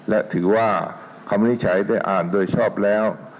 และถือว่าคำวินิจฉัยได้อ่านโดยชอบแล้ว